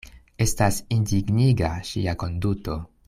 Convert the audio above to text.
Estas indigniga ŝia konduto.